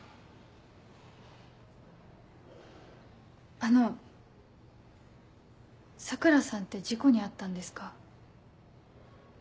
あの桜さんって事故に遭ったんですか？